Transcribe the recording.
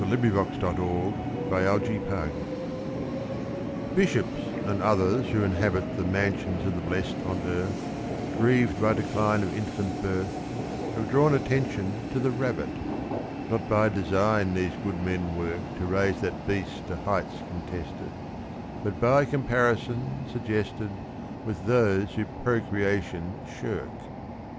= BALLAD FOR BISHOPS |BISHOPS and others who inhabit The mansions of the blest on earth, [Illustration: 015] Grieved by decline of infant birth, Have drawn attention to the rabbit. Not by design these good men work To raise that beast to heights contested, But by comparison, suggested, With those who procreation shirk.